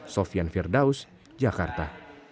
sofian firdaus jakarta